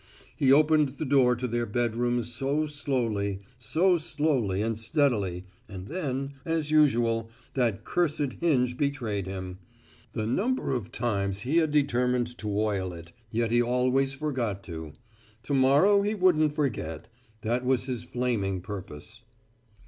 He opened the door to their bedroom so slowly, so slowly and steadily, and then as usual, that cursed hinge betrayed him. The number of times he had determined to oil it yet he always forgot to. To morrow he wouldn't forget that was his flaming purpose.